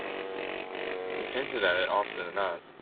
You've hinted it often enough.